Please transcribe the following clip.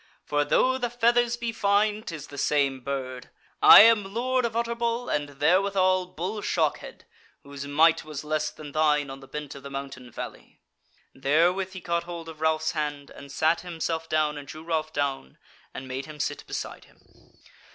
for though the feathers be fine 'tis the same bird. I am Lord of Utterbol and therewithal Bull Shockhead, whose might was less than thine on the bent of the mountain valley." Therewith he caught hold of Ralph's hand, and sat himself down and drew Ralph down, and made him sit beside him.